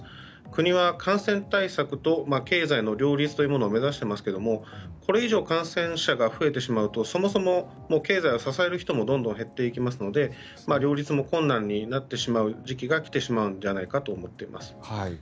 国は感染対策と経済の両立というものを目指していますがこれ以上感染者が増えてしまうとそもそも経済を支える人もどんどん減っていきますので両立も困難になってしまう時期が来てしまうんじゃないかと思っています。